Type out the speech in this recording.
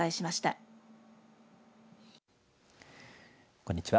こんにちは。